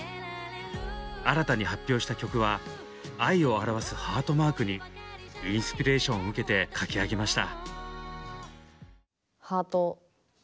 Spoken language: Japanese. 新たに発表した曲は「愛」を表すハートマークにインスピレーションを受けて書き上げました。